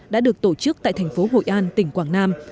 đã được tổ chức tại thành phố hội an tỉnh quảng nam